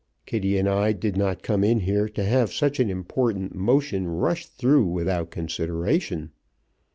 Kitty and I did not come in here to have such an important motion rushed through without consideration.